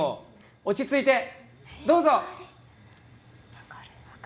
落ち着いてどうぞ。